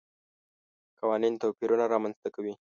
قوانین توپیرونه رامنځته کوي.